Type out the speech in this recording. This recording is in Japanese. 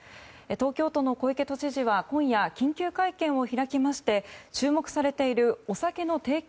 東京都の小池都知事は今夜、緊急会見を開きまして注目されているお酒の提供